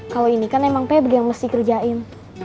kalau ini kan memang pek yang mesti dikerjain